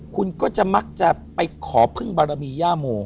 คุณก็จะบางทีไปขอเพิ่งบารมีย่าโม